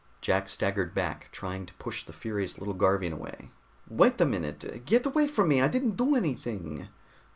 Jack staggered back, trying to push the furious little Garvian away. "Wait a minute! Get away from me! I didn't do anything!"